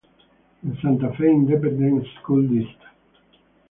In Santa Fe Independent School Dist.